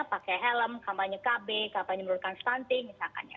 pakai helm kampanye kb kampanye menurunkan stunting misalkan ya